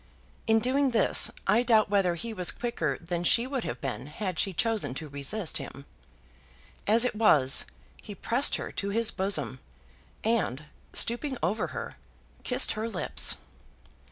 In doing this, I doubt whether he was quicker than she would have been had she chosen to resist him. As it was, he pressed her to his bosom, and, stooping over her, kissed her lips.